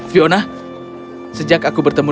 fiona sejak aku bertemu